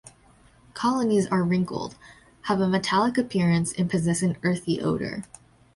Colonies are wrinkled, have a metallic appearance, and possess an earthy odour.